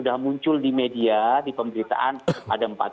oh itu cawa pres